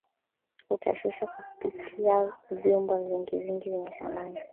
utashusha kupitia vyumba vingi vingi vyenye samani